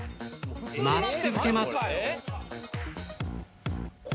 待ち続けます。